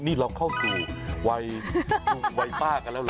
นี่เราเข้าสู่วัยป้ากันแล้วเหรอ